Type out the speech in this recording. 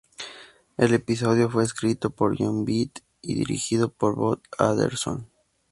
El episodio fue escrito por Jon Vitti y dirigido por Bob Anderson.